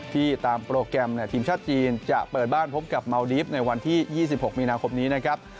ตามโปรแกรมทีมชาติจีนจะเปิดบ้านพบกับเมาดีฟในวันที่๒๖มีนาคมนี้นะครับ